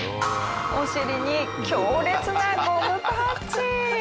お尻に強烈なゴムパッチン。